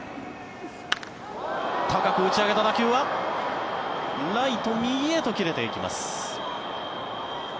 高く打ち上げた打球はライト、右へと切れていきます。